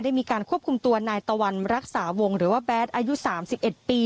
ได้มีการควบคุมตัวนายตะวันรักษาวงหรือว่าแบทอายุสามสิบเอ็ดปี